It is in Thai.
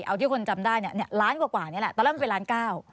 เอาที่คนจำได้เนี่ยล้านกว่านี่แหละตอนแรกมันเป็นล้านเก้า